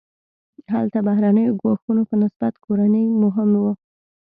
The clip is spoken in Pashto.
هلته بهرنیو ګواښونو په نسبت کورني مهم وو.